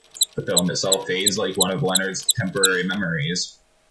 The film itself fades like one of Leonard's temporary memories.